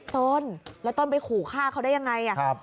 ต้นแล้วต้นไปขู่ฆ่าเขาได้ยังไง